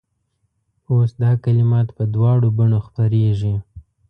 اوس دا کلمات په دواړو بڼو خپرېږي.